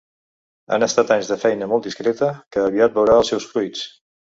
Han estat anys de feina molt discreta que aviat veurà els seus fruits.